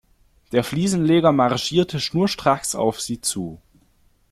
Der Fliesenleger marschierte schnurstracks auf sie zu.